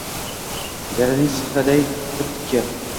Jayraning sixiday tip-tikka.